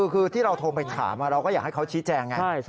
คือที่เราโทรไปถามเราก็อยากให้เขาชี้แจงไง